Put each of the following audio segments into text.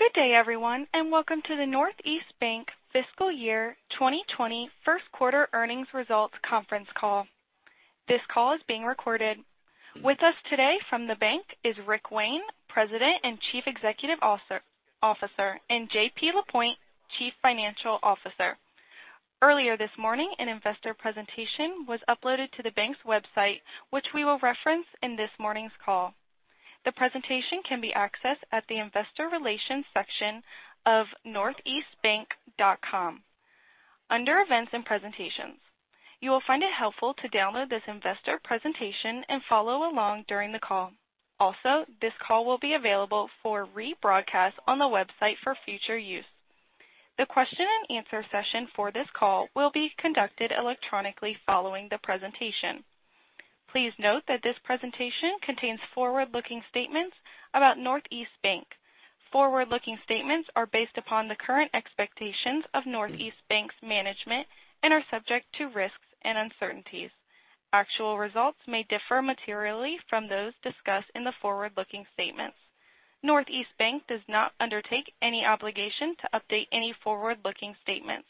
Good day everyone. Welcome to the Northeast Bank fiscal year 2020 first quarter earnings results conference call. This call is being recorded. With us today from the bank is Richard Wayne, President and Chief Executive Officer, and Jean-Pierre Lapointe, Chief Financial Officer. Earlier this morning, an investor presentation was uploaded to the bank's website, which we will reference in this morning's call. The presentation can be accessed at the investor relations section of northeastbank.com, under events and presentations. You will find it helpful to download this investor presentation and follow along during the call. Also, this call will be available for rebroadcast on the website for future use. The question and answer session for this call will be conducted electronically following the presentation. Please note that this presentation contains forward-looking statements about Northeast Bank. Forward-looking statements are based upon the current expectations of Northeast Bank's management and are subject to risks and uncertainties. Actual results may differ materially from those discussed in the forward-looking statements. Northeast Bank does not undertake any obligation to update any forward-looking statements.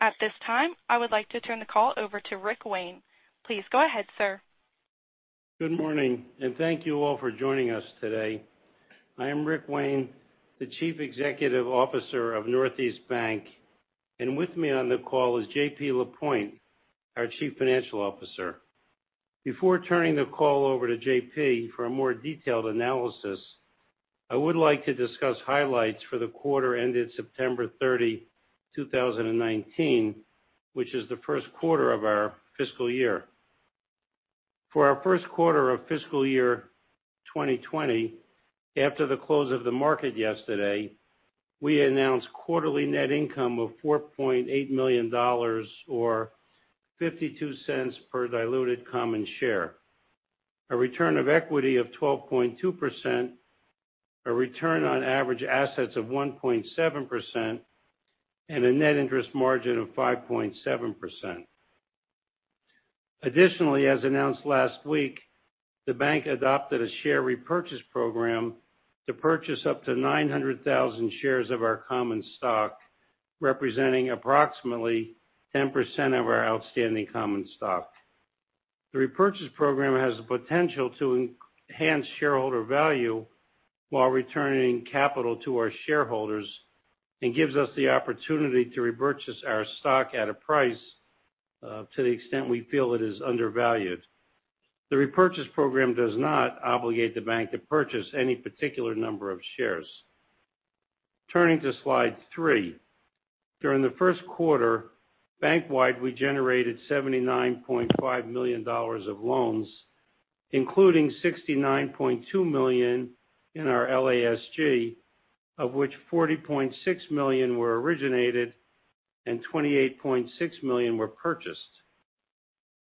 At this time, I would like to turn the call over to Richard Wayne. Please go ahead, sir. Good morning, and thank you all for joining us today. I am Richard Wayne, the Chief Executive Officer of Northeast Bank, and with me on the call is Jean-Pierre Lapointe, our Chief Financial Officer. Before turning the call over to JP for a more detailed analysis, I would like to discuss highlights for the quarter ended September 30, 2019, which is the first quarter of our fiscal year. For our first quarter of fiscal year 2020, after the close of the market yesterday, we announced quarterly net income of $4.8 million, or $0.52 per diluted common share, a return of equity of 12.2%, a return on average assets of 1.7%, and a net interest margin of 5.7%. Additionally, as announced last week, the bank adopted a share repurchase program to purchase up to 900,000 shares of our common stock, representing approximately 10% of our outstanding common stock. The repurchase program has the potential to enhance shareholder value while returning capital to our shareholders and gives us the opportunity to repurchase our stock at a price, to the extent we feel it is undervalued. The repurchase program does not obligate the bank to purchase any particular number of shares. Turning to slide three. During the first quarter, bank-wide, we generated $79.5 million of loans, including $69.2 million in our LASG, of which $40.6 million were originated and $28.6 million were purchased.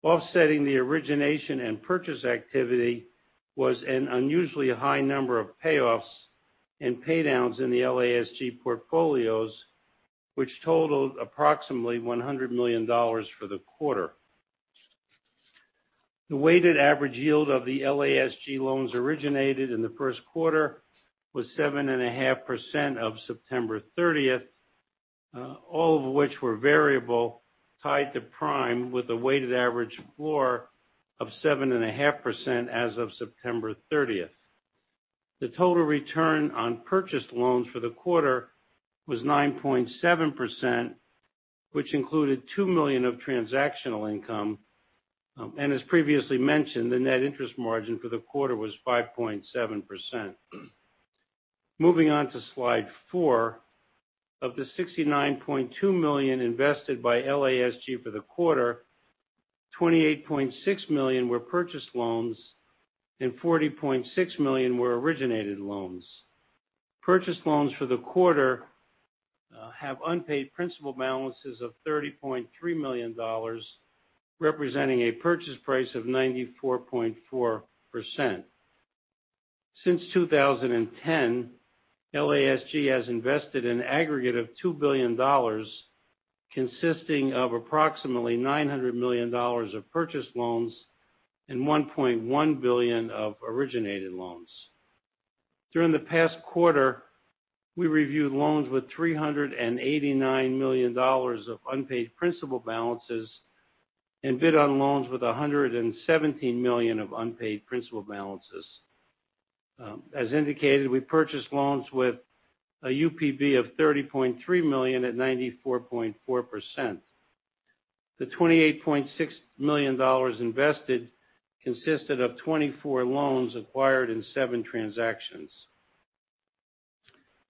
Offsetting the origination and purchase activity was an unusually high number of payoffs and paydowns in the LASG portfolios, which totaled approximately $100 million for the quarter. The weighted average yield of the LASG loans originated in the first quarter was 7.5% of September 30th, all of which were variable, tied to prime, with a weighted average floor of 7.5% as of September 30th. The total return on purchased loans for the quarter was 9.7%, which included $2 million of transactional income. As previously mentioned, the net interest margin for the quarter was 5.7%. Moving on to slide four. Of the $69.2 million invested by LASG for the quarter, $28.6 million were purchased loans and $40.6 million were originated loans. Purchased loans for the quarter have unpaid principal balances of $30.3 million, representing a purchase price of 94.4%. Since 2010, LASG has invested an aggregate of $2 billion, consisting of approximately $900 million of purchased loans and $1.1 billion of originated loans. During the past quarter, we reviewed loans with $389 million of unpaid principal balances and bid on loans with $117 million of unpaid principal balances. As indicated, we purchased loans with a UPB of $30.3 million at 94.4%. The $28.6 million invested consisted of 24 loans acquired in seven transactions.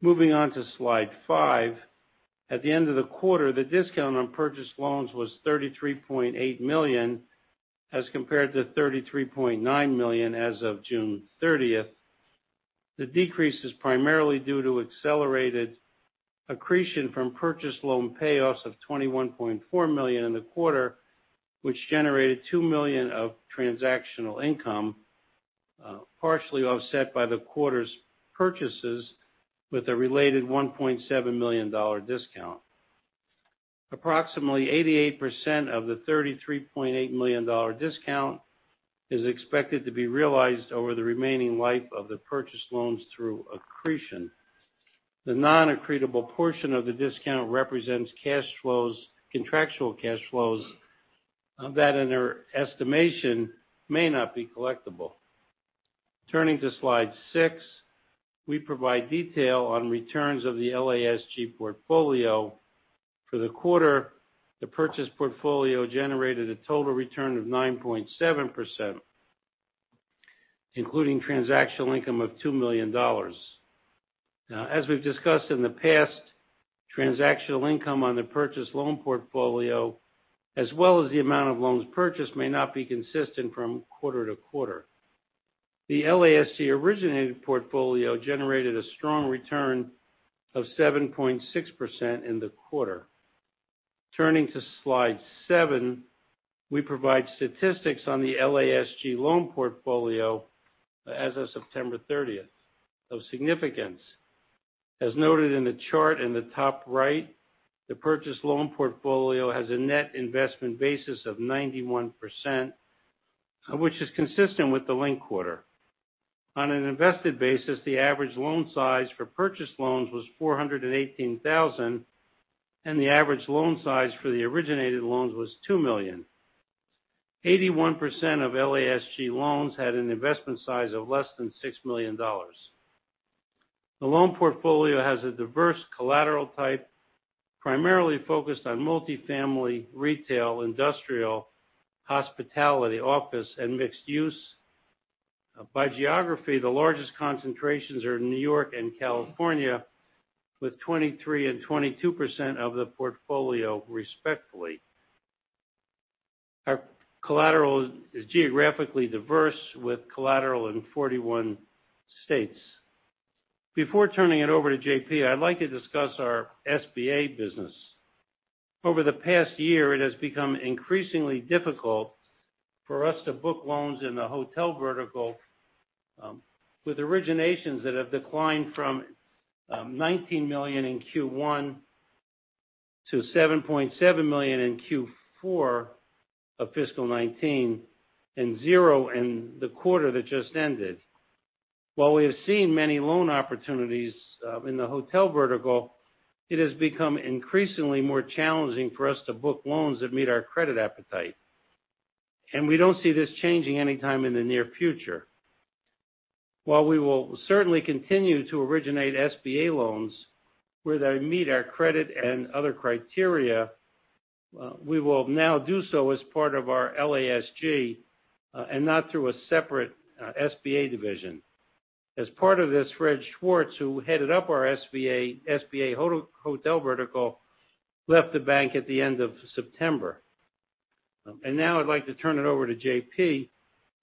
Moving on to slide five. At the end of the quarter, the discount on purchased loans was $33.8 million as compared to $33.9 million as of June 30th. The decrease is primarily due to accelerated accretion from purchased loan payoffs of $21.4 million in the quarter, which generated $2 million of transactional income, partially offset by the quarter's purchases with a related $1.7 million discount. Approximately 88% of the $33.8 million discount is expected to be realized over the remaining life of the purchased loans through accretion. The non-accretable portion of the discount represents contractual cash flows that, in our estimation, may not be collectible. Turning to Slide six, we provide detail on returns of the LASG portfolio. For the quarter, the purchase portfolio generated a total return of 9.7%, including transactional income of $2 million. As we've discussed in the past, transactional income on the purchase loan portfolio, as well as the amount of loans purchased, may not be consistent from quarter to quarter. The LASG originated portfolio generated a strong return of 7.6% in the quarter. Turning to Slide seven, we provide statistics on the LASG loan portfolio as of September 30th. Of significance, as noted in the chart in the top right, the purchase loan portfolio has a net investment basis of 91%, which is consistent with the linked quarter. On an invested basis, the average loan size for purchased loans was $418,000, and the average loan size for the originated loans was $2 million. 81% of LASG loans had an investment size of less than $6 million. The loan portfolio has a diverse collateral type, primarily focused on multifamily, retail, industrial, hospitality, office, and mixed use. By geography, the largest concentrations are in New York and California, with 23% and 22% of the portfolio respectively. Our collateral is geographically diverse, with collateral in 41 states. Before turning it over to JP, I'd like to discuss our SBA business. Over the past year, it has become increasingly difficult for us to book loans in the hotel vertical, with originations that have declined from $19 million in Q1 to $7.7 million in Q4 of fiscal 2019, and zero in the quarter that just ended. While we have seen many loan opportunities in the hotel vertical, it has become increasingly more challenging for us to book loans that meet our credit appetite. We don't see this changing anytime in the near future. While we will certainly continue to originate SBA loans where they meet our credit and other criteria, we will now do so as part of our LASG and not through a separate SBA division. As part of this, Fred Schwartz, who headed up our SBA hotel vertical, left the bank at the end of September. Now I'd like to turn it over to JP,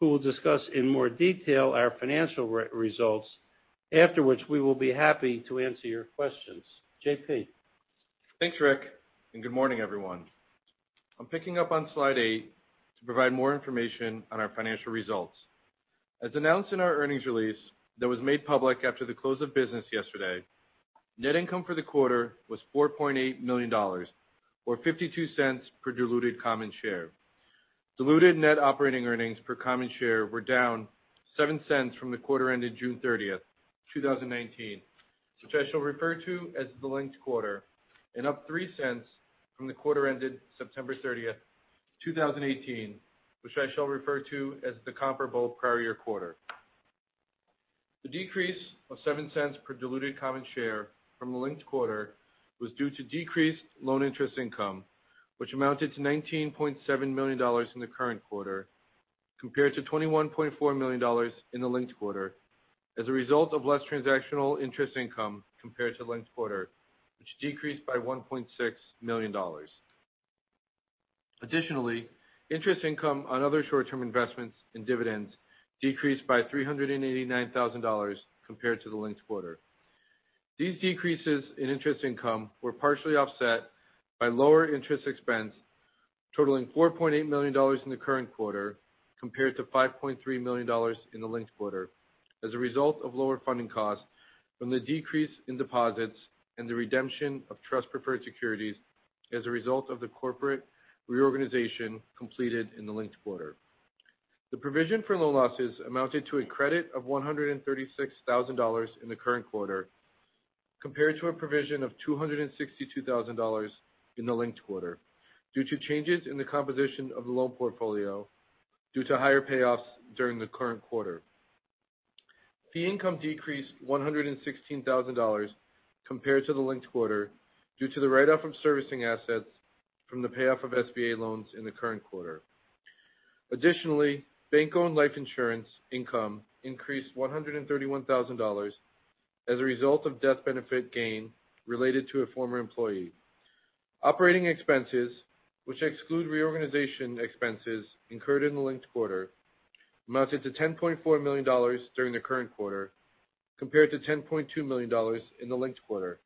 who will discuss in more detail our financial results, after which we will be happy to answer your questions. JP? Thanks, Rick. Good morning, everyone. I'm picking up on Slide eight to provide more information on our financial results. As announced in our earnings release that was made public after the close of business yesterday, net income for the quarter was $4.8 million, or $0.52 per diluted common share. Diluted net operating earnings per common share were down $0.07 from the quarter ended June 30th, 2019, which I shall refer to as the linked quarter, and up $0.03 from the quarter ended September 30th, 2018, which I shall refer to as the comparable prior year quarter. The decrease of $0.07 per diluted common share from the linked quarter was due to decreased loan interest income, which amounted to $19.7 million in the current quarter compared to $21.4 million in the linked quarter as a result of less transactional interest income compared to the linked quarter, which decreased by $1.6 million. Additionally, interest income on other short-term investments and dividends decreased by $389,000 compared to the linked quarter. These decreases in interest income were partially offset by lower interest expense, totaling $4.8 million in the current quarter compared to $5.3 million in the linked quarter as a result of lower funding costs from the decrease in deposits and the redemption of trust preferred securities as a result of the corporate reorganization completed in the linked quarter. The provision for loan losses amounted to a credit of $136,000 in the current quarter compared to a provision of $262,000 in the linked quarter due to changes in the composition of the loan portfolio due to higher payoffs during the current quarter. Fee income decreased $116,000 compared to the linked quarter due to the write-off from servicing assets from the payoff of SBA loans in the current quarter. Additionally, bank-owned life insurance income increased $131,000 as a result of death benefit gain related to a former employee. Operating expenses, which exclude reorganization expenses incurred in the linked quarter, amounted to $10.4 million during the current quarter compared to $10.2 million in the linked quarter,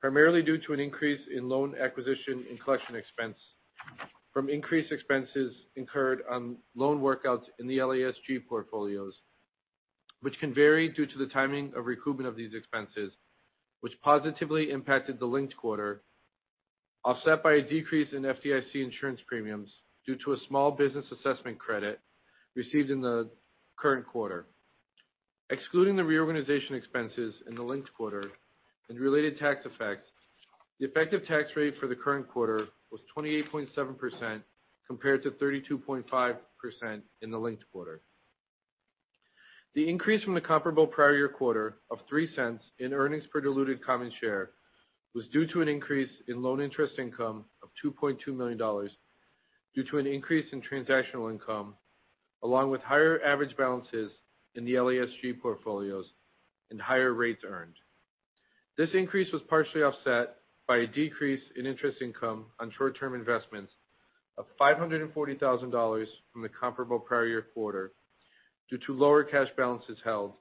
primarily due to an increase in loan acquisition and collection expense from increased expenses incurred on loan workouts in the LASG portfolios, which can vary due to the timing of recoupment of these expenses, which positively impacted the linked quarter, offset by a decrease in FDIC insurance premiums due to a small business assessment credit received in the current quarter. Excluding the reorganization expenses in the linked quarter and related tax effects, the effective tax rate for the current quarter was 28.7% compared to 32.5% in the linked quarter. The increase from the comparable prior year quarter of $0.03 in earnings per diluted common share was due to an increase in loan interest income of $2.2 million due to an increase in transactional income, along with higher average balances in the LASG portfolios and higher rates earned. This increase was partially offset by a decrease in interest income on short-term investments of $540,000 from the comparable prior year quarter due to lower cash balances held,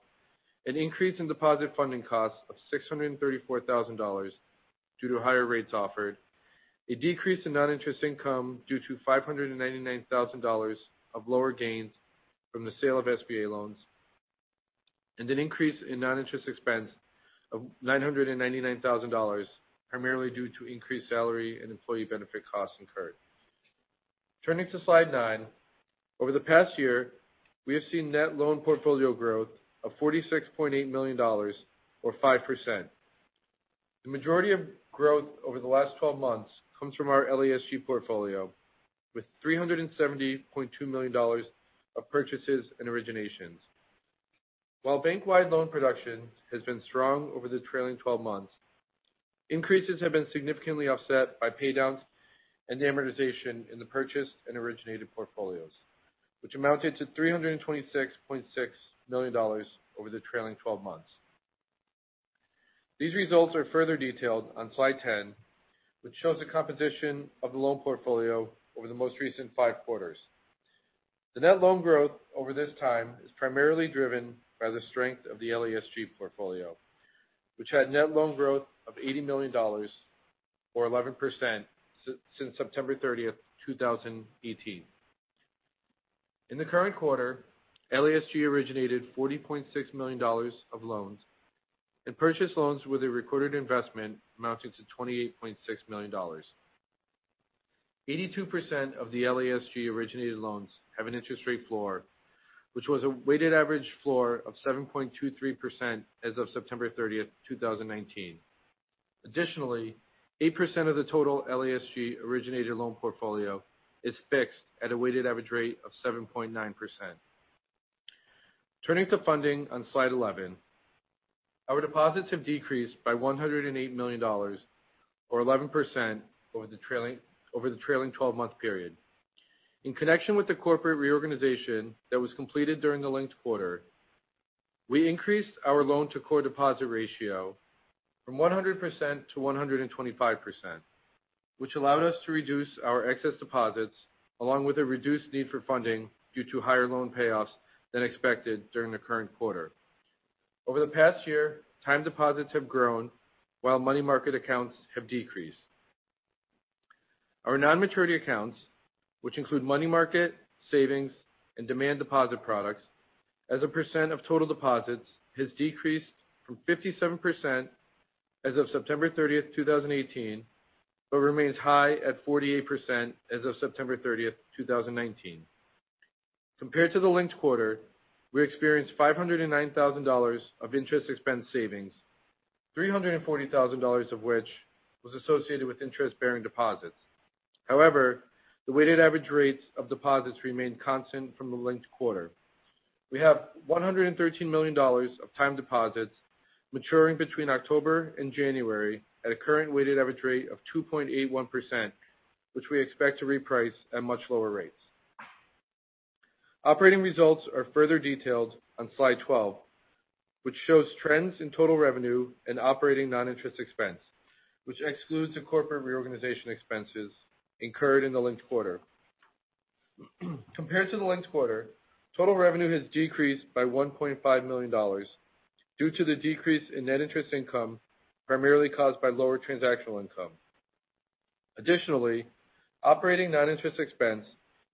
an increase in deposit funding costs of $634,000 due to higher rates offered, a decrease in non-interest income due to $599,000 of lower gains from the sale of SBA loans, and an increase in non-interest expense of $999,000, primarily due to increased salary and employee benefit costs incurred. Turning to slide nine. Over the past year, we have seen net loan portfolio growth of $46.8 million, or 5%. The majority of growth over the last 12 months comes from our LASG portfolio, with $370.2 million of purchases and originations. While bank-wide loan production has been strong over the trailing 12 months, increases have been significantly offset by paydowns and amortization in the purchased and originated portfolios, which amounted to $326.6 million over the trailing 12 months. These results are further detailed on slide 10, which shows the composition of the loan portfolio over the most recent five quarters. The net loan growth over this time is primarily driven by the strength of the LASG portfolio, which had net loan growth of $80 million, or 11%, since September 30th, 2018. In the current quarter, LASG originated $40.6 million of loans and purchased loans with a recorded investment amounting to $28.6 million. 82% of the LASG-originated loans have an interest rate floor, which was a weighted average floor of 7.23% as of September 30th, 2019. Additionally, 8% of the total LASG-originated loan portfolio is fixed at a weighted average rate of 7.9%. Turning to funding on slide 11. Our deposits have decreased by $108 million, or 11%, over the trailing 12-month period. In connection with the corporate reorganization that was completed during the linked quarter, we increased our loan to core deposit ratio from 100% to 125%, which allowed us to reduce our excess deposits along with a reduced need for funding due to higher loan payoffs than expected during the current quarter. Over the past year, time deposits have grown while money market accounts have decreased. Our non-maturity accounts, which include money market, savings, and demand deposit products, as a percent of total deposits, has decreased from 57% as of September 30, 2018, but remains high at 48% as of September 30, 2019. Compared to the linked quarter, we experienced $509,000 of interest expense savings, $340,000 of which was associated with interest-bearing deposits. However, the weighted average rates of deposits remained constant from the linked quarter. We have $113 million of time deposits maturing between October and January at a current weighted average rate of 2.81%, which we expect to reprice at much lower rates. Operating results are further detailed on slide 12, which shows trends in total revenue and operating non-interest expense, which excludes the corporate reorganization expenses incurred in the linked quarter. Compared to the linked quarter, total revenue has decreased by $1.5 million due to the decrease in net interest income, primarily caused by lower transactional income. Additionally, operating non-interest expense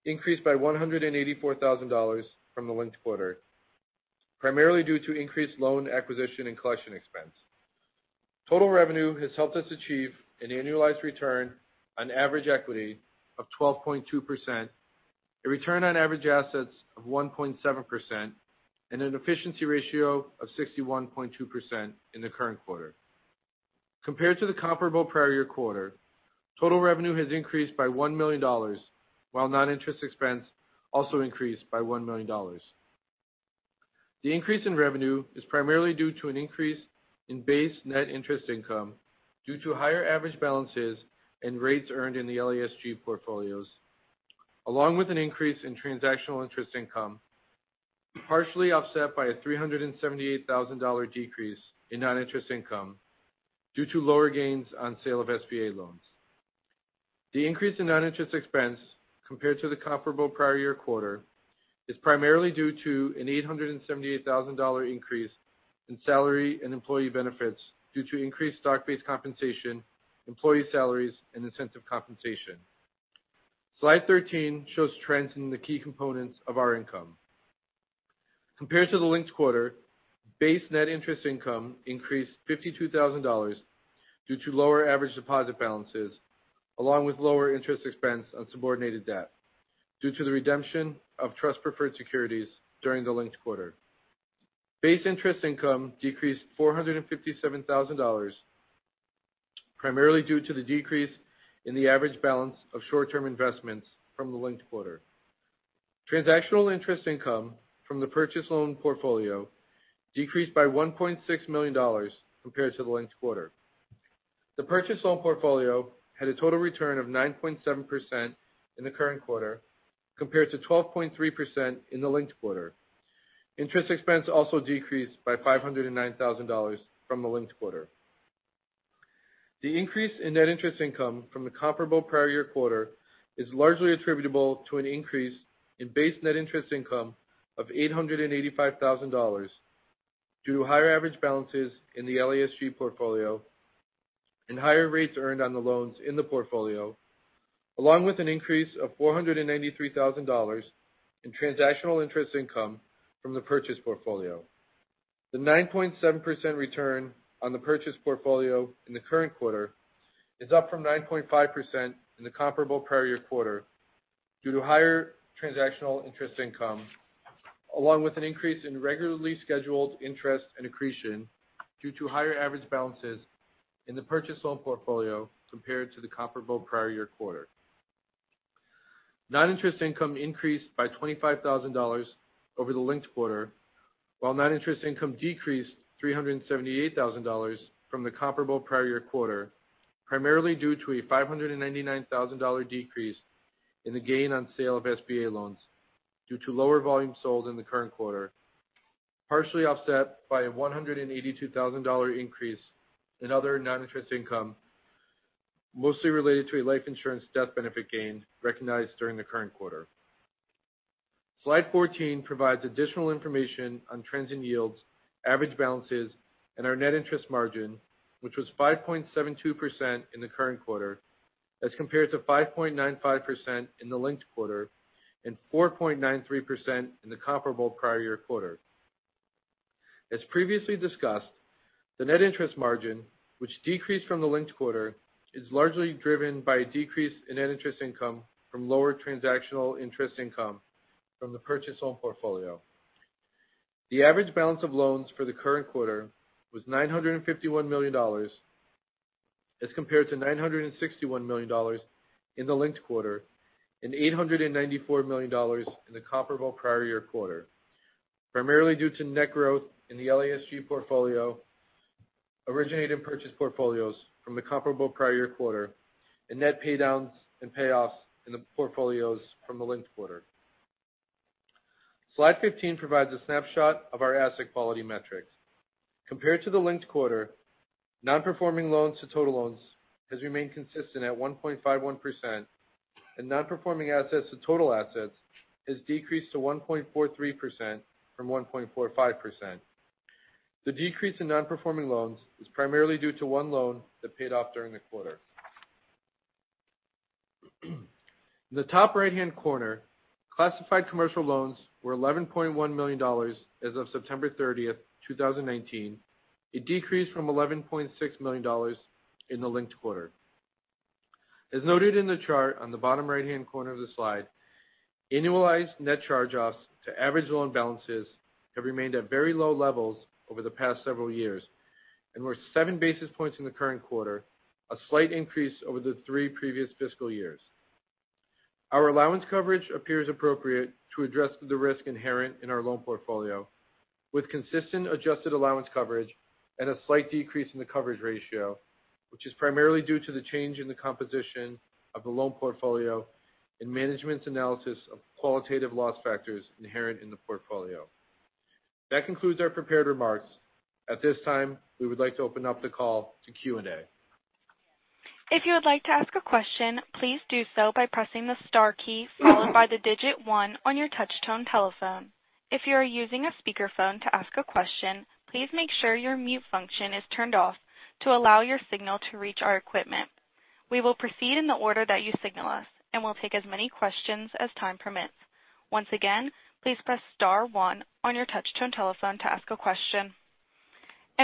increased by $184,000 from the linked quarter, primarily due to increased loan acquisition and collection expense. Total revenue has helped us achieve an annualized return on average equity of 12.2%, a return on average assets of 1.7%, and an efficiency ratio of 61.2% in the current quarter. Compared to the comparable prior year quarter, total revenue has increased by $1 million, while non-interest expense also increased by $1 million. The increase in revenue is primarily due to an increase in base net interest income due to higher average balances and rates earned in the LASG portfolios, along with an increase in transactional interest income, partially offset by a $378,000 decrease in non-interest income due to lower gains on sale of SBA loans. The increase in non-interest expense compared to the comparable prior year quarter is primarily due to an $878,000 increase in salary and employee benefits due to increased stock-based compensation, employee salaries, and incentive compensation. Slide 13 shows trends in the key components of our income. Compared to the linked quarter, base net interest income increased $52,000 due to lower average deposit balances, along with lower interest expense on subordinated debt due to the redemption of trust preferred securities during the linked quarter. Base interest income decreased $457,000, primarily due to the decrease in the average balance of short-term investments from the linked quarter. Transactional interest income from the purchase loan portfolio decreased by $1.6 million compared to the linked quarter. The purchase loan portfolio had a total return of 9.7% in the current quarter, compared to 12.3% in the linked quarter. Interest expense also decreased by $509,000 from the linked quarter. The increase in net interest income from the comparable prior year quarter is largely attributable to an increase in base net interest income of $885,000 due to higher average balances in the LASG portfolio and higher rates earned on the loans in the portfolio, along with an increase of $493,000 in transactional interest income from the purchase portfolio. The 9.7% return on the purchase portfolio in the current quarter is up from 9.5% in the comparable prior year quarter due to higher transactional interest income, along with an increase in regularly scheduled interest and accretion due to higher average balances in the purchase loan portfolio compared to the comparable prior year quarter. Non-interest income increased by $25,000 over the linked quarter, while non-interest income decreased $378,000 from the comparable prior year quarter, primarily due to a $599,000 decrease in the gain on sale of SBA loans due to lower volume sold in the current quarter, partially offset by a $182,000 increase in other non-interest income, mostly related to a life insurance death benefit gain recognized during the current quarter. Slide 14 provides additional information on trends in yields, average balances, and our net interest margin, which was 5.72% in the current quarter as compared to 5.95% in the linked quarter and 4.93% in the comparable prior year quarter. As previously discussed, the net interest margin, which decreased from the linked quarter, is largely driven by a decrease in net interest income from lower transactional interest income from the purchase loan portfolio. The average balance of loans for the current quarter was $951 million as compared to $961 million in the linked quarter and $894 million in the comparable prior year quarter, primarily due to net growth in the LASG portfolio, originated purchase portfolios from the comparable prior year quarter and net paydowns and payoffs in the portfolios from the linked quarter. Slide 15 provides a snapshot of our asset quality metrics. Compared to the linked quarter, non-performing loans to total loans has remained consistent at 1.51%, and non-performing assets to total assets has decreased to 1.43% from 1.45%. The decrease in non-performing loans is primarily due to one loan that paid off during the quarter. In the top right-hand corner, classified commercial loans were $11.1 million as of September 30th, 2019. It decreased from $11.6 million in the linked quarter. As noted in the chart on the bottom right-hand corner of the slide, annualized net charge-offs to average loan balances have remained at very low levels over the past several years and were seven basis points in the current quarter, a slight increase over the three previous fiscal years. Our allowance coverage appears appropriate to address the risk inherent in our loan portfolio, with consistent adjusted allowance coverage and a slight decrease in the coverage ratio, which is primarily due to the change in the composition of the loan portfolio and management's analysis of qualitative loss factors inherent in the portfolio. That concludes our prepared remarks. At this time, we would like to open up the call to Q&A. If you would like to ask a question, please do so by pressing the star key followed by the digit one on your touchtone telephone. If you are using a speakerphone to ask a question, please make sure your mute function is turned off to allow your signal to reach our equipment. We will proceed in the order that you signal us, and we'll take as many questions as time permits. Once again, please press star one on your touchtone telephone to ask a question.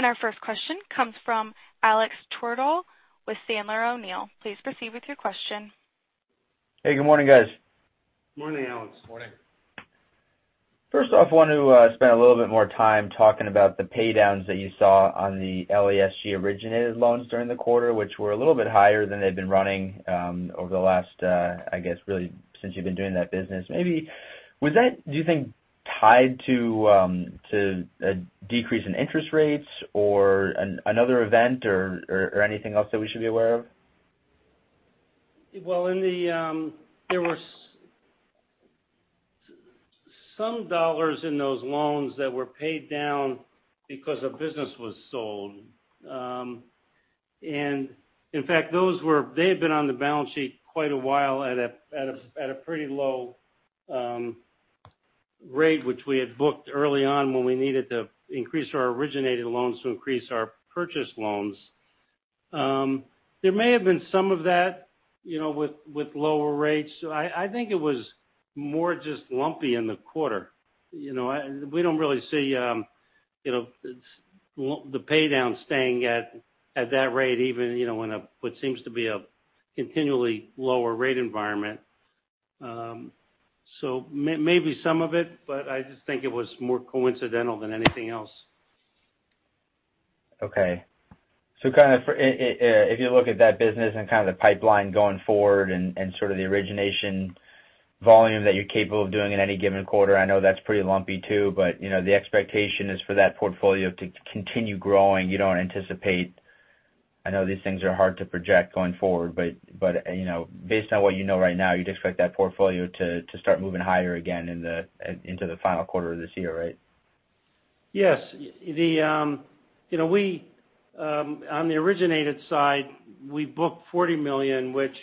Our first question comes from Alex Twerdahl with Sandler O'Neill. Please proceed with your question. Hey, good morning, guys. Morning, Alex. Morning. I want to spend a little bit more time talking about the paydowns that you saw on the LASG originated loans during the quarter, which were a little bit higher than they've been running over the last, I guess, really since you've been doing that business. Maybe was that, do you think, tied to a decrease in interest rates or another event or anything else that we should be aware of? Well, there was some dollars in those loans that were paid down because a business was sold. In fact, they had been on the balance sheet quite a while at a pretty low. -rate which we had booked early on when we needed to increase our originated loans to increase our purchase loans. There may have been some of that, with lower rates. I think it was more just lumpy in the quarter. We don't really see the pay-down staying at that rate even in what seems to be a continually lower rate environment. Maybe some of it, but I just think it was more coincidental than anything else. Okay. If you look at that business and the pipeline going forward and sort of the origination volume that you're capable of doing in any given quarter, I know that's pretty lumpy too. The expectation is for that portfolio to continue growing. You don't anticipate, I know these things are hard to project going forward, but based on what you know right now, you'd expect that portfolio to start moving higher again into the final quarter of this year, right? Yes. On the originated side, we booked $40 million, which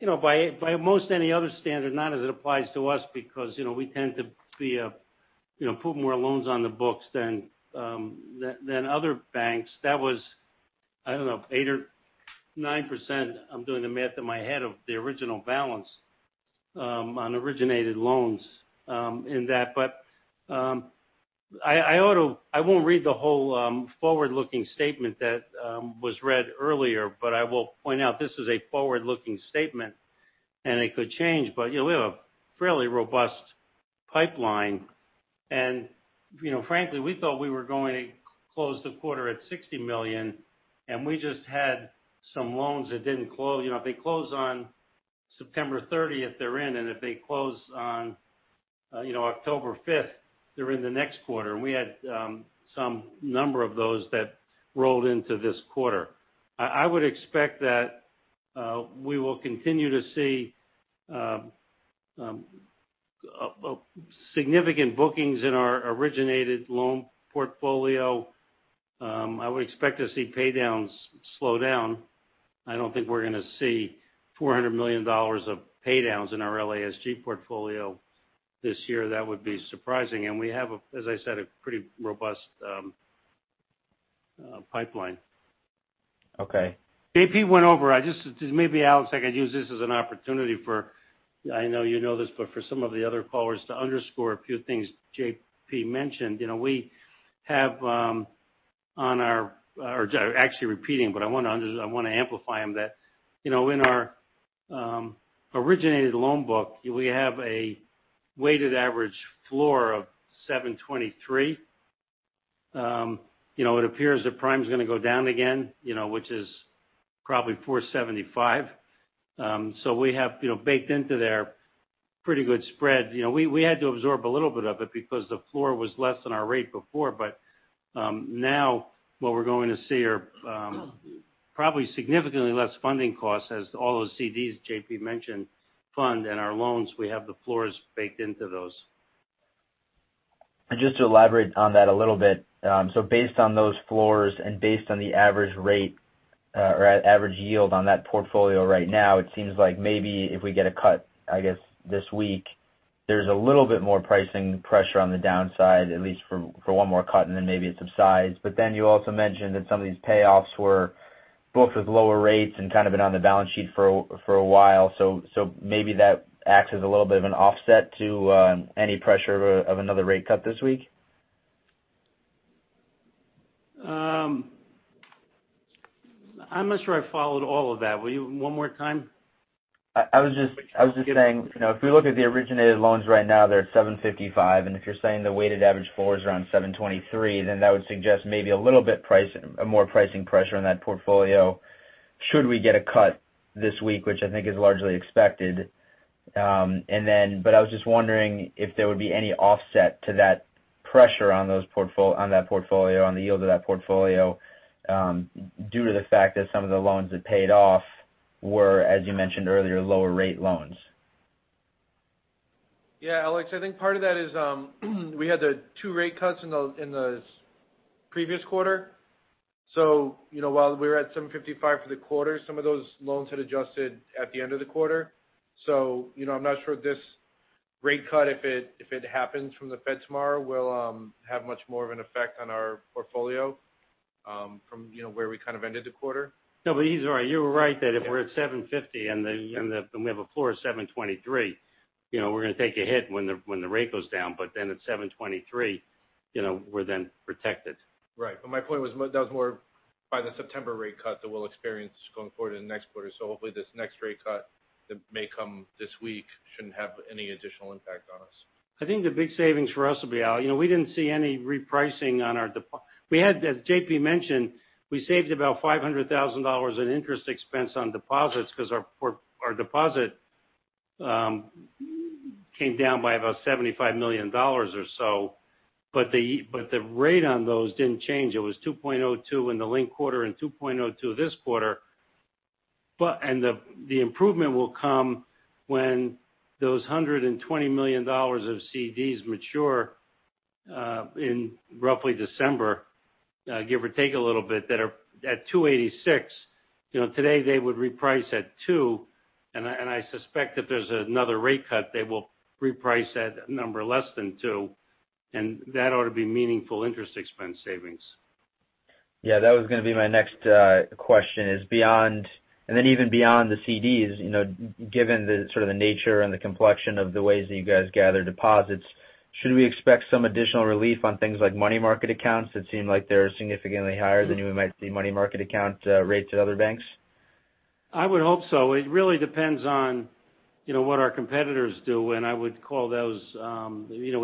by most any other standard, not as it applies to us because we tend to put more loans on the books than other banks. That was, I don't know, 8% or 9%, I'm doing the math in my head, of the original balance on originated loans in that. I won't read the whole forward-looking statement that was read earlier, but I will point out this is a forward-looking statement and it could change. We have a fairly robust pipeline and frankly, we thought we were going to close the quarter at $60 million, and we just had some loans that didn't close. If they close on September 30th, they're in. If they close on October 5th, they're in the next quarter. We had some number of those that rolled into this quarter. I would expect that we will continue to see significant bookings in our originated loan portfolio. I would expect to see pay-downs slow down. I don't think we're going to see $400 million of paydowns in our LASG portfolio this year. That would be surprising. We have, as I said, a pretty robust pipeline. Okay. JP went over it. Maybe, Alex, I could use this as an opportunity for, I know you know this, but for some of the other callers to underscore a few things JP mentioned. Actually repeating, but I want to amplify them that in our originated loan book, we have a weighted average floor of 723. It appears that prime's going to go down again which is probably 475. We have baked into there pretty good spread. We had to absorb a little bit of it because the floor was less than our rate before. Now what we're going to see are probably significantly less funding costs as all those CDs JP mentioned fund and our loans, we have the floors baked into those. Just to elaborate on that a little bit. Based on those floors and based on the average rate or average yield on that portfolio right now, it seems like maybe if we get a cut, I guess this week, there's a little bit more pricing pressure on the downside, at least for one more cut, and then maybe it subsides. You also mentioned that some of these payoffs were booked with lower rates and kind of been on the balance sheet for a while. Maybe that acts as a little bit of an offset to any pressure of another rate cut this week? I'm not sure I followed all of that. Will you one more time? I was just saying, if we look at the originated loans right now, they're at 755. If you're saying the weighted average floor is around 723, then that would suggest maybe a little bit more pricing pressure on that portfolio should we get a cut this week, which I think is largely expected. I was just wondering if there would be any offset to that pressure on that portfolio, on the yield of that portfolio due to the fact that some of the loans that paid off were, as you mentioned earlier, lower rate loans. Yeah. Alex, I think part of that is we had the two rate cuts in the previous quarter. While we were at 755 for the quarter, some of those loans had adjusted at the end of the quarter. I'm not sure this rate cut, if it happens from the Fed tomorrow, will have much more of an effect on our portfolio from where we kind of ended the quarter. No, he's right. You were right that if we're at 750 and we have a floor of 723, we're going to take a hit when the rate goes down. At 723, we're then protected. Right. My point was that was more by the September rate cut that we'll experience going forward in the next quarter. Hopefully this next rate cut that may come this week shouldn't have any additional impact on us. I think the big savings for us will be, Alex Twerdahl, we didn't see any repricing on our deposit. As JP Lapointe mentioned, we saved about $500,000 in interest expense on deposits because our deposit came down by about $75 million or so. The rate on those didn't change. It was 2.02% in the linked quarter and 2.02% this quarter. The improvement will come when those $120 million of CDs mature in roughly December, give or take a little bit, that are at 286. Today they would reprice at two, and I suspect if there's another rate cut, they will reprice at a number less than two, and that ought to be meaningful interest expense savings. Yeah, that was going to be my next question is. Even beyond the CDs, given the sort of the nature and the complexion of the ways that you guys gather deposits, should we expect some additional relief on things like money market accounts that seem like they're significantly higher than we might see money market account rates at other banks? I would hope so. It really depends on what our competitors do. We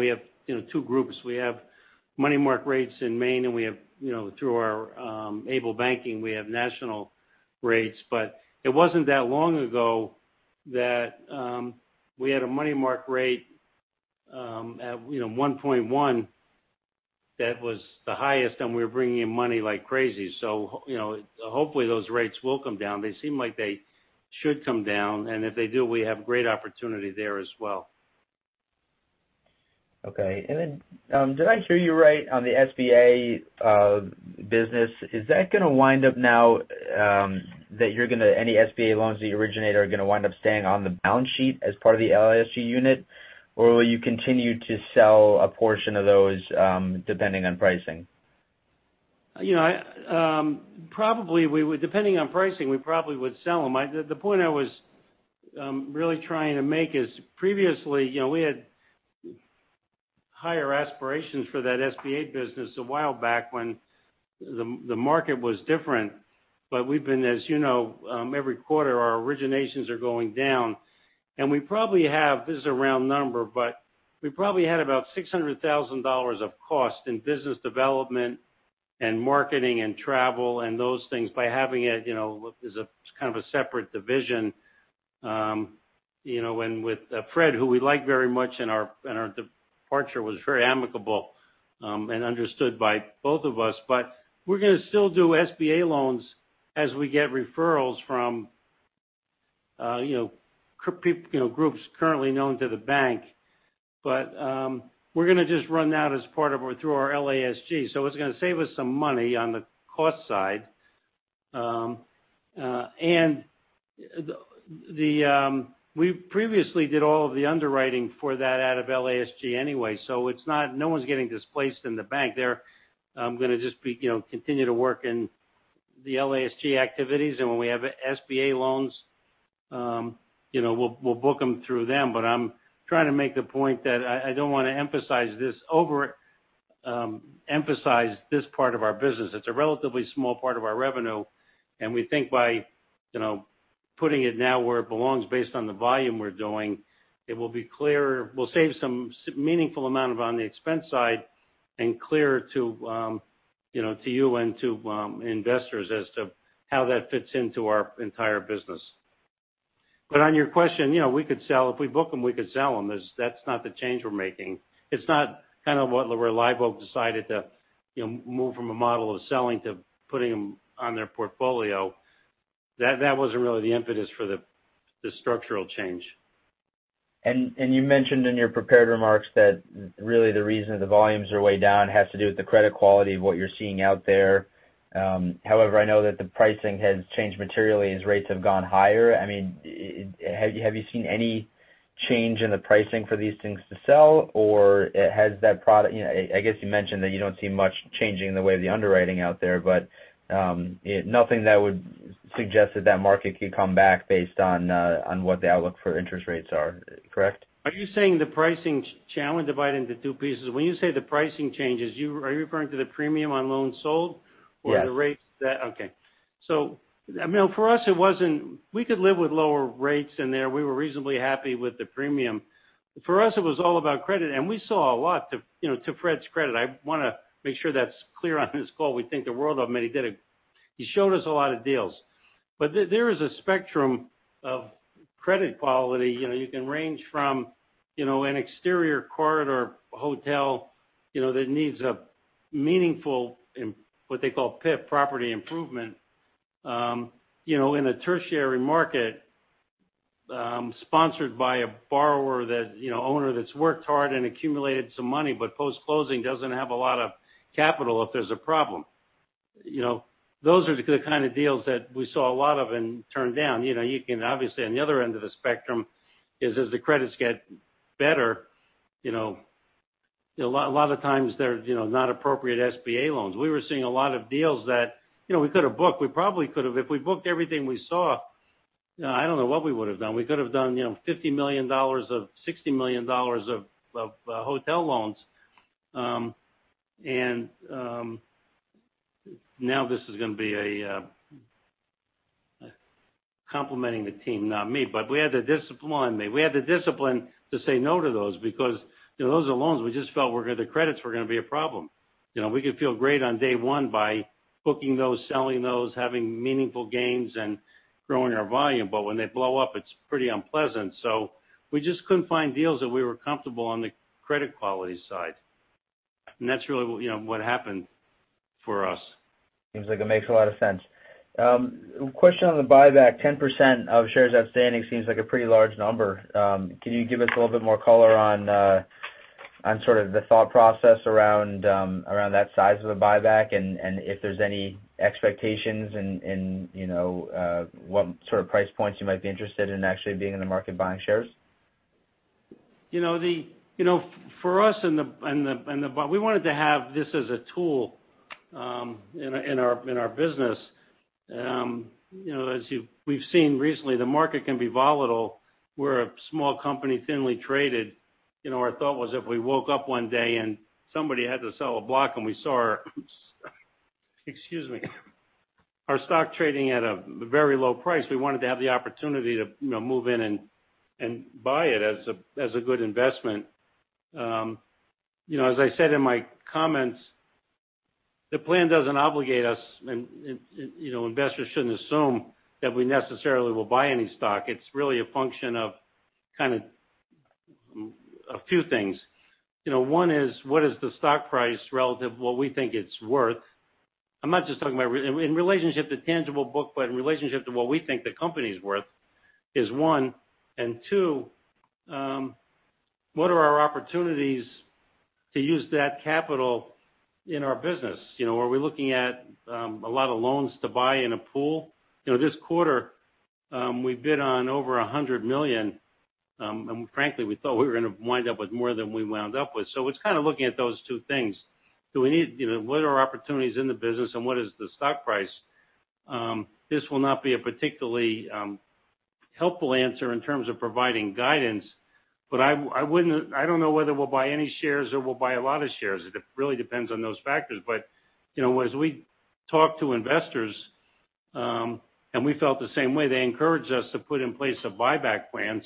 have two groups. We have money market rates in Maine, and through our ableBanking, we have national rates. It wasn't that long ago that we had a money market rate at 1.1 that was the highest, and we were bringing in money like crazy. Hopefully those rates will come down. They seem like they should come down, and if they do, we have great opportunity there as well. Okay. Did I hear you right on the SBA business? Is that going to wind up now that any SBA loans that you originate are going to wind up staying on the balance sheet as part of the LASG unit? Will you continue to sell a portion of those, depending on pricing? Depending on pricing, we probably would sell them. The point I was really trying to make is previously we had higher aspirations for that SBA business a while back when the market was different. We've been, as you know, every quarter our originations are going down. This is a round number, but we probably had about $600,000 of cost in business development and marketing and travel and those things by having it as kind of a separate division. With Fred Schwartz, who we like very much, and our departure was very amicable and understood by both of us. We're going to still do SBA loans as we get referrals from groups currently known to the bank. We're going to just run that as part of through our LASG. It's going to save us some money on the cost side. We previously did all of the underwriting for that out of LASG anyway, so no one's getting displaced in the bank. They're going to just continue to work in the LASG activities. When we have SBA loans, we'll book them through them. I'm trying to make the point that I don't want to overemphasize this part of our business. It's a relatively small part of our revenue, and we think by putting it now where it belongs based on the volume we're doing, it will be clear. We'll save some meaningful amount on the expense side and clearer to you and to investors as to how that fits into our entire business. On your question, if we book them, we could sell them. That's not the change we're making. It's not kind of what Reliable decided to move from a model of selling to putting them on their portfolio. That wasn't really the impetus for the structural change. You mentioned in your prepared remarks that really the reason the volumes are way down has to do with the credit quality of what you're seeing out there. However, I know that the pricing has changed materially as rates have gone higher. Have you seen any change in the pricing for these things to sell, or has that I guess you mentioned that you don't see much changing the way the underwriting out there, but nothing that would suggest that market could come back based on what the outlook for interest rates are, correct? Are you saying the pricing? I want to divide it into two pieces. When you say the pricing changes, are you referring to the premium on loans sold? Yes or the rates that. Okay. For us, we could live with lower rates in there. We were reasonably happy with the premium. For us, it was all about credit, and we saw a lot. To Fred's credit, I want to make sure that's clear on this call. We think the world of him, and he showed us a lot of deals. There is a spectrum of credit quality. You can range from an exterior corridor hotel that needs a meaningful, what they call PIP, property improvement in a tertiary market, sponsored by a borrower, owner that's worked hard and accumulated some money, but post-closing doesn't have a lot of capital if there's a problem. Those are the kind of deals that we saw a lot of and turned down. You can obviously, on the other end of the spectrum is as the credits get better, a lot of times they're not appropriate SBA loans. We were seeing a lot of deals that we could have booked. We probably could have. If we booked everything we saw, I don't know what we would have done. We could have done $50 million or $60 million of hotel loans. Now this is going to be complementing the team, not me. We had the discipline on me. We had the discipline to say no to those because those are loans we just felt the credits were going to be a problem. We could feel great on day one by booking those, selling those, having meaningful gains, and growing our volume. When they blow up, it's pretty unpleasant. We just couldn't find deals that we were comfortable on the credit quality side. That's really what happened for us. Seems like it makes a lot of sense. Question on the buyback, 10% of shares outstanding seems like a pretty large number. Can you give us a little bit more color on the thought process around that size of the buyback and if there's any expectations and what sort of price points you might be interested in actually being in the market buying shares? For us, we wanted to have this as a tool in our business. As we've seen recently, the market can be volatile. We're a small company, thinly traded. Our thought was if we woke up one day and somebody had to sell a block and we saw our stock trading at a very low price, we wanted to have the opportunity to move in and buy it as a good investment. As I said in my comments, the plan doesn't obligate us, and investors shouldn't assume that we necessarily will buy any stock. It's really a function of a few things. One is, what is the stock price relative to what we think it's worth? I'm not just talking about in relationship to tangible book, but in relationship to what we think the company's worth is one. Two, what are our opportunities to use that capital in our business? Are we looking at a lot of loans to buy in a pool? This quarter, we bid on over $100 million. Frankly, we thought we were going to wind up with more than we wound up with. It's kind of looking at those two things. What are our opportunities in the business and what is the stock price? This will not be a particularly helpful answer in terms of providing guidance, but I don't know whether we'll buy any shares or we'll buy a lot of shares. It really depends on those factors. As we talk to investors, and we felt the same way, they encouraged us to put in place a buyback plan.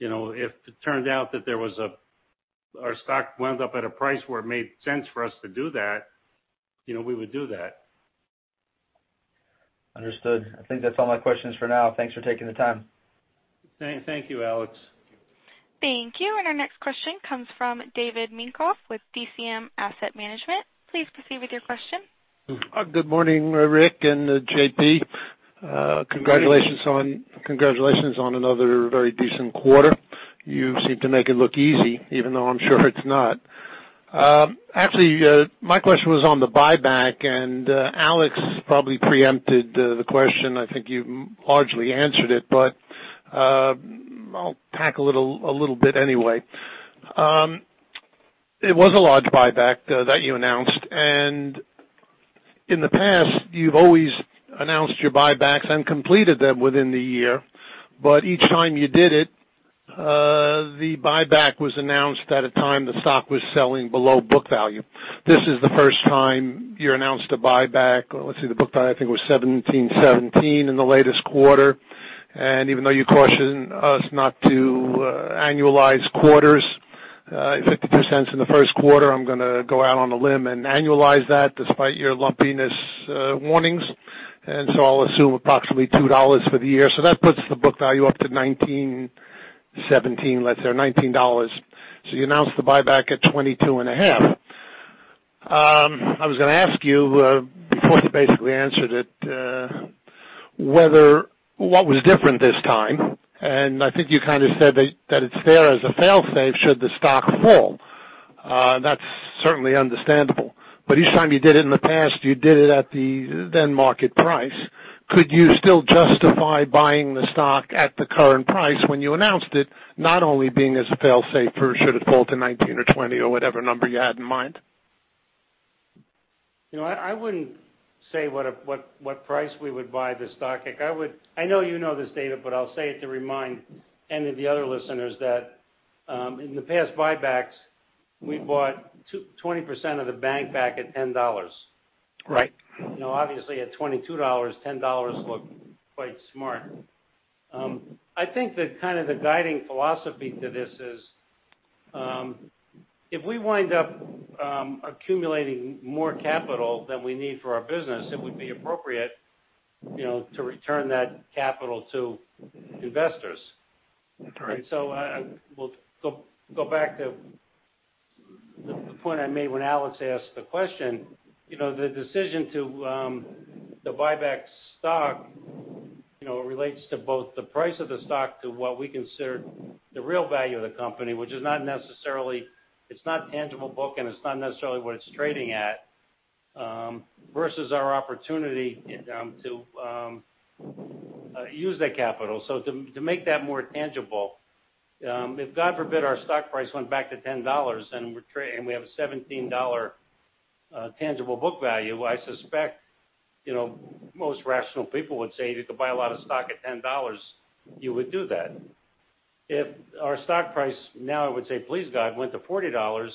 If it turns out that our stock wound up at a price where it made sense for us to do that, we would do that. Understood. I think that's all my questions for now. Thanks for taking the time. Thank you, Alex. Thank you. Our next question comes from David Minkoff with DCM Asset Management. Please proceed with your question. Good morning, Rick and J.P. Congratulations on another very decent quarter. You seem to make it look easy, even though I'm sure it's not. Actually, my question was on the buyback, and Alex probably preempted the question. I think you largely answered it, but I'll tack a little bit anyway. It was a large buyback that you announced, and in the past, you've always announced your buybacks and completed them within the year. Each time you did it, the buyback was announced at a time the stock was selling below book value. This is the first time you announced a buyback. Let's see, the book value, I think, was $17.17 in the latest quarter. Even though you cautioned us not to annualize quarters, 50% is in the first quarter, I'm going to go out on a limb and annualize that despite your lumpiness warnings. I'll assume approximately $2 for the year. That puts the book value up to 19.17, let's say $19. You announced the buyback at $22.5. I was going to ask you before you basically answered it, what was different this time? I think you kind of said that it's there as a fail-safe should the stock fall. That's certainly understandable. Each time you did it in the past, you did it at the then market price. Could you still justify buying the stock at the current price when you announced it, not only being as a fail-safe or should it fall to $19 or $20 or whatever number you had in mind? I wouldn't say what price we would buy the stock. I know you know this data, I'll say it to remind any of the other listeners that in the past buybacks, we bought 20% of the bank back at $10. Right. Obviously at $22, $10 looked quite smart. I think that kind of the guiding philosophy to this is if we wind up accumulating more capital than we need for our business, it would be appropriate to return that capital to investors. That's right. We'll go back to the point I made when Alex asked the question. The decision to buy back stock relates to both the price of the stock to what we consider the real value of the company, which is not tangible book, and it's not necessarily what it's trading at, versus our opportunity to use that capital. To make that more tangible if, God forbid, our stock price went back to $10 and we have a $17 tangible book value, I suspect most rational people would say if you could buy a lot of stock at $10, you would do that. If our stock price now, I would say, please, God, went to $40.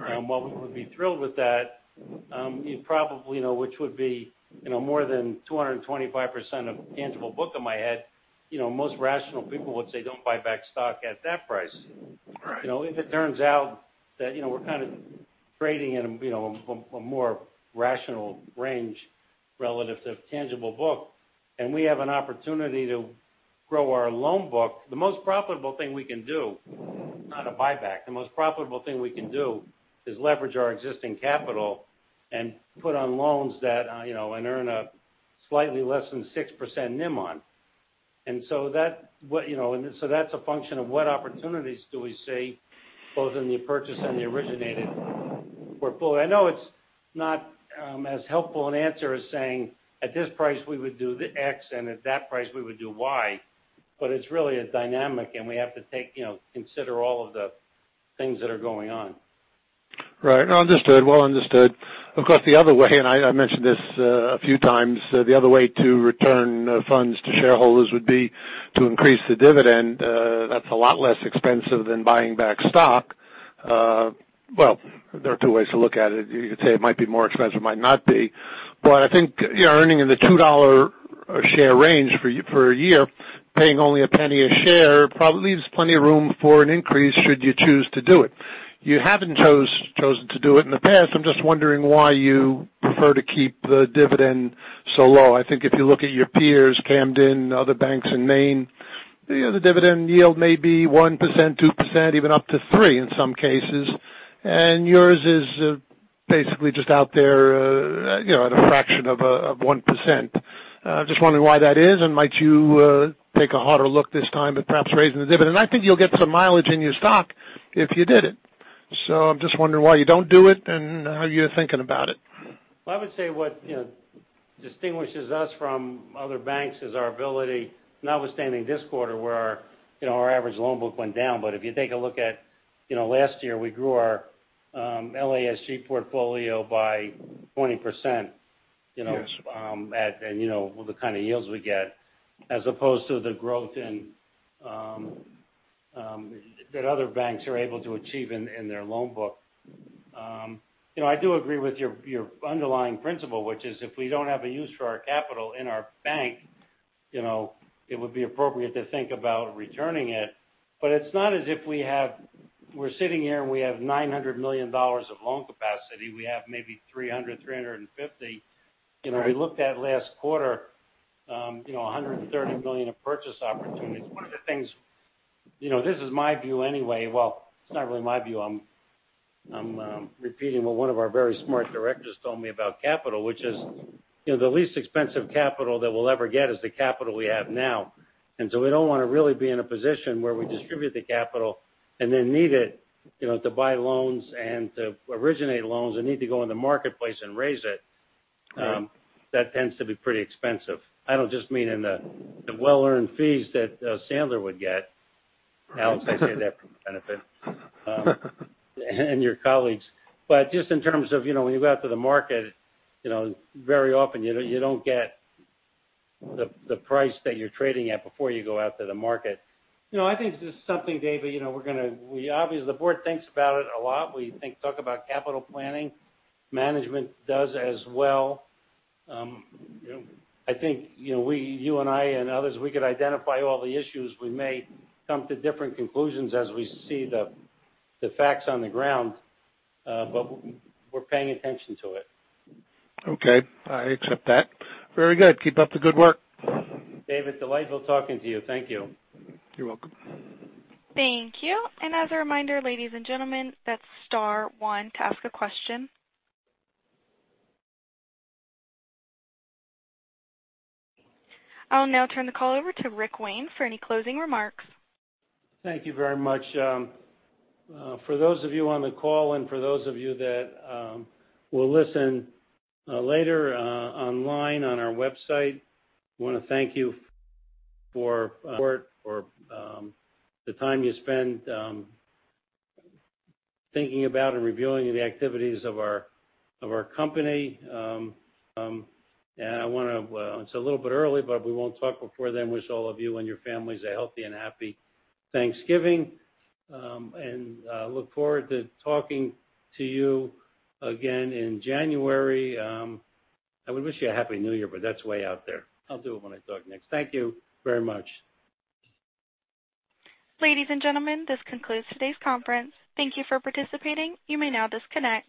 Right while we would be thrilled with that which would be more than 225% of tangible book in my head, most rational people would say, don't buy back stock at that price. Right. If it turns out that we're kind of trading in a more rational range relative to tangible book, and we have an opportunity to grow our loan book. The most profitable thing we can do, not a buyback. The most profitable thing we can do is leverage our existing capital and put on loans and earn a slightly less than 6% NIM on. That's a function of what opportunities do we see, both in the purchase and the originated portfolio. I know it's not as helpful an answer as saying, at this price we would do the X, and at that price we would do Y, but it's really a dynamic and we have to consider all of the things that are going on. Right. Understood. Well understood. Of course, the other way, and I mentioned this a few times, the other way to return funds to shareholders would be to increase the dividend. That's a lot less expensive than buying back stock. Well, there are two ways to look at it. You could say it might be more expensive, it might not be. I think earning in the $2 share range for a year, paying only $0.01 a share probably leaves plenty of room for an increase should you choose to do it. You haven't chosen to do it in the past. I'm just wondering why you prefer to keep the dividend so low. I think if you look at your peers, Camden, other banks in Maine, the dividend yield may be 1%, 2%, even up to 3% in some cases. Yours is basically just out there at a fraction of 1%. Just wondering why that is. Might you take a harder look this time at perhaps raising the dividend? I think you'll get some mileage in your stock if you did it. I'm just wondering why you don't do it and how you're thinking about it. Well, I would say what distinguishes us from other banks is our ability, notwithstanding this quarter, where our average loan book went down. If you take a look at last year, we grew our LASG portfolio by 20%. Yes The kind of yields we get, as opposed to the growth that other banks are able to achieve in their loan book. I do agree with your underlying principle, which is if we don't have a use for our capital in our bank, it would be appropriate to think about returning it. It's not as if we're sitting here and we have $900 million of loan capacity. We have maybe $300, $350. Right. We looked at last quarter, $130 million of purchase opportunities. One of the things, this is my view anyway, well, it's not really my view. I'm repeating what one of our very smart directors told me about capital, which is, the least expensive capital that we'll ever get is the capital we have now. We don't want to really be in a position where we distribute the capital and then need it to buy loans and to originate loans and need to go in the marketplace and raise it. Right. That tends to be pretty expensive. I don't just mean in the well-earned fees that Sandler would get. Alex, I say that for benefit. Your colleagues. Just in terms of when you go out to the market, very often you don't get the price that you're trading at before you go out to the market. I think this is something, David, the board thinks about it a lot. We talk about capital planning. Management does as well. I think you and I and others, we could identify all the issues. We may come to different conclusions as we see the facts on the ground. We're paying attention to it. Okay. I accept that. Very good. Keep up the good work. David, delightful talking to you. Thank you. You're welcome. Thank you. As a reminder, ladies and gentlemen, that's star one to ask a question. I'll now turn the call over to Richard Wayne for any closing remarks. Thank you very much. For those of you on the call and for those of you that will listen later online on our website, want to thank you for the time you spend thinking about and reviewing the activities of our company. It's a little bit early, but we won't talk before then. Wish all of you and your families a healthy and happy Thanksgiving. Look forward to talking to you again in January. I would wish you a happy new year, but that's way out there. I'll do it when I talk next. Thank you very much. Ladies and gentlemen, this concludes today's conference. Thank you for participating. You may now disconnect.